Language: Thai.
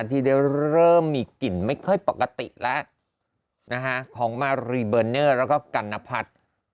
ที่ได้เริ่มมีกลิ่นไม่ค่อยปกติแล้วของมารีเบอร์เนอร์แล้วก็กัณพัฒน์